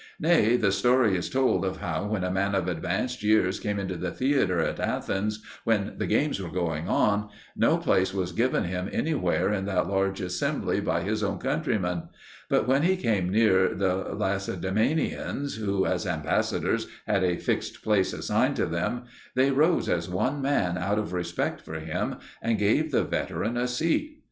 Nay, the story is told of how when a man of advanced years came into the theatre at Athens when the games were going on, no place was given him anywhere in that large assembly by his own countrymen; but when he came near the Lacedaemonians, who as ambassadors had a fixed place assigned to them, they rose as one man out of respect for him, and gave the veteran a seat.